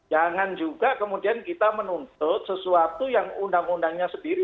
jangan juga kemudian kita menuntut sesuatu yang undang undangnya sendiri